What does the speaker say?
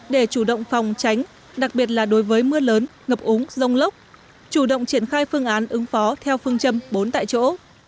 để chủ động phòng tránh đặc biệt là đối với mưa lớn ngập úng rông lốc chủ động triển khai phương án ứng phó theo phương châm bốn tại chỗ